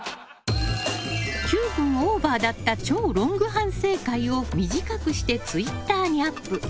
９分オーバーだった超ロング反省会を短くしてツイッターにアップ。